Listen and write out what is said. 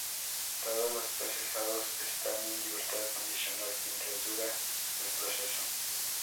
Todos los procesados están en libertad condicional mientras dura el proceso.